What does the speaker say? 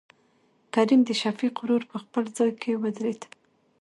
کريم دشفيق ورور په خپل ځاى کې ودرېد.